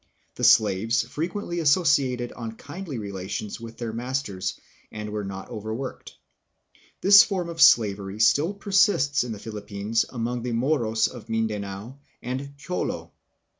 The slaves frequently associated on kindly relations with their masters and were not overworked. This form of slavery still persists in the Philippines among the Moros of Mindanao and Jolo.